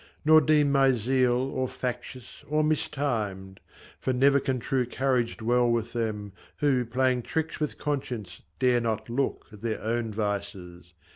Nor deem my zeal or factious or mistimed ; For never can true courage dwell with them, Who, playing tricks with conscience, dare not look At their own vices.